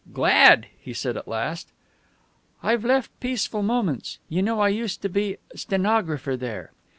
"Glad," he said at last. "I've left Peaceful Moments. You know I used to be stenographer there."